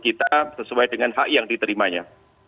kita sesuai dengan hak yang diterimanya